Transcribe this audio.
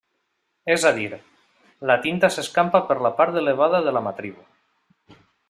És a dir, la tinta s'escampa per la part elevada de la matriu.